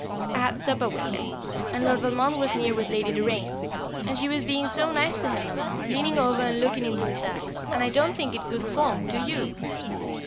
I had supper with him, and Lord Valmond was near with Lady Doraine, and she was being so nice to him, Mamma, leaning over and looking into his eyes, and I don't think it good form, do you?